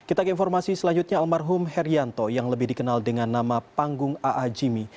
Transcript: kita ke informasi selanjutnya almarhum herianto yang lebih dikenal dengan nama panggung aa jimmy